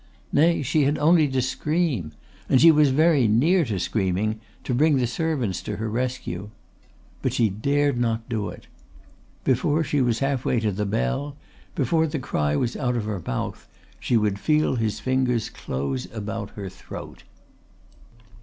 Nay, she had only to scream and she was very near to screaming to bring the servants to her rescue. But she dared not do it. Before she was half way to the bell, before the cry was out of her mouth she would feel his fingers close about her throat.